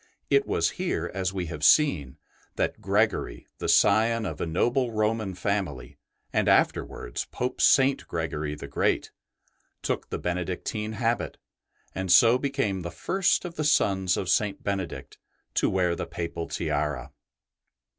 It was here, as we have seen, that Gregory, the scion of a noble Roman family, and afterwards Pope St. Gregory the Great, took the Benedictine habit, and so became the first of the sons of St. Benedict to wear the Papal tiara.